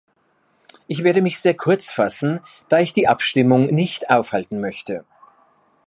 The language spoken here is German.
Ich werde mich sehr kurz fassen, da ich die Abstimmung nicht aufhalten möchte.